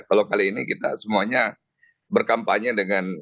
kalau kali ini kita semuanya berkampanye dengan